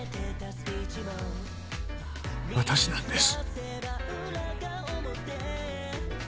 私なんです。